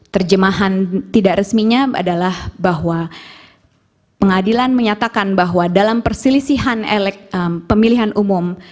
terjemahan tidak resminya adalah bahwa pengadilan menyatakan bahwa dalam perselisihan pemilihan umum